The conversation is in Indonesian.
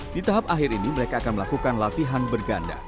di tahap akhir ini mereka akan melakukan latihan berganda